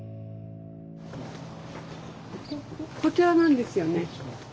こちらなんですよね。